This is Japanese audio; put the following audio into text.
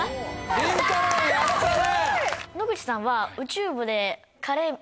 ・りんたろうやったね！